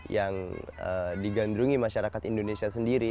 yang digandrungi masyarakat indonesia sendiri